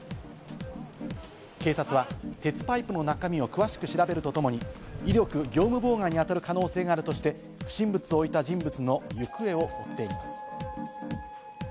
警察は鉄パイプの中身を詳しく調べるとともに、威力業務妨害にあたる可能性があるとして不審物を置いた人物の行方を追っています。